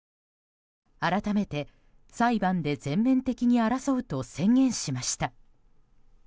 改めて、裁判で全面的に争うと宣言しました。